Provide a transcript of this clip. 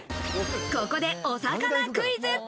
ここでお魚クイズ。